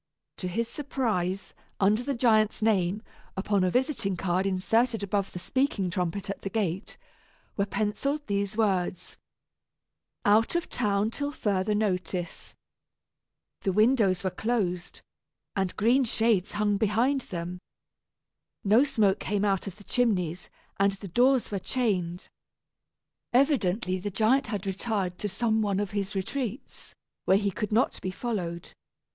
To his surprise, under the giant's name, upon a visiting card inserted above the speaking trumpet at the gate, were pencilled these words: "Out of town till further notice." The windows were closed, and green shades hung behind them. No smoke came out of the chimneys, and the doors were chained. Evidently the giant had retired to some one of his retreats, where he could not be followed.